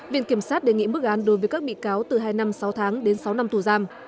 viện kiểm sát đề nghị mức án đối với các bị cáo từ hai năm sáu tháng đến sáu năm tù giam